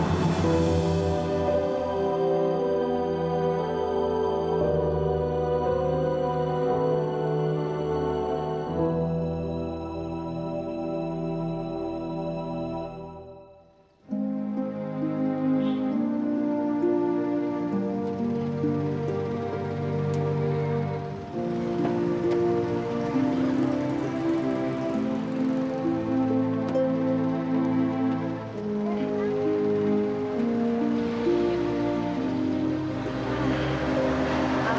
aku mau pergi